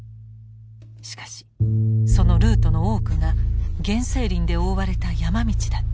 しかしそのルートの多くが原生林で覆われた山道だった。